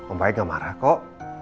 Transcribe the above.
om baik gak marah kok